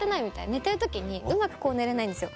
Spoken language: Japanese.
寝てる時にうまくこう寝れないんですよ。